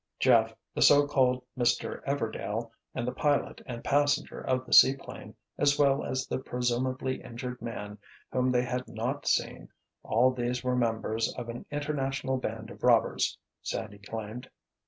Jeff, the so called Mr. "Everdail," and the pilot and passenger of the seaplane, as well as the presumably injured man whom they had not seen—all these were members of an international band of robbers, Sandy claimed.